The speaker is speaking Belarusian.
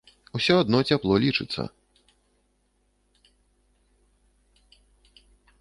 Усё адно цяпло лічыцца.